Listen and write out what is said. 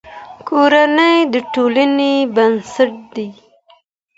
کورنۍ د ټولنې بنسټ دی.